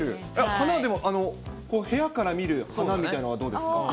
花、でも、部屋から見る花みたいなのはどうですか？